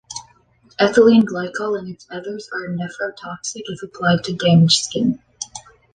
Ethylene Glycol and its ethers are nephrotoxic if applied to damaged skin.